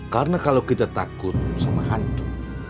karena kalau kita takut sama hantu